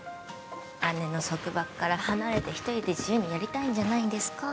姉の束縛から離れて一人で自由にやりたいんじゃないんですか